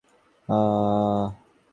আমার আর কিছুই বুঝিতে বাকি রহিল না।